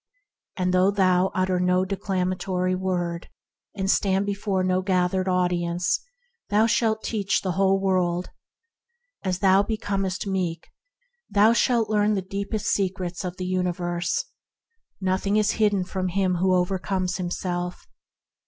Though thou utter no declama tory word, and stand before no gathered audience, thou shalt teach the whole world. THE MIGHT OF MEEKNESS 123 As thou becomest meek, thou shalt learn the deeper secrets of the universe. Nothing is hidden from him who overcometh himself.